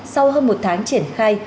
sau hơn một tháng triển khai